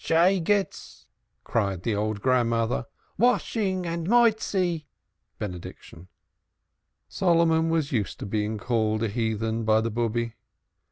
"Heathen," cried the old grandmother. "Washing and benediction." Solomon was used to being called a "heathen" by the Bube.